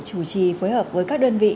chủ trì phối hợp với các đơn vị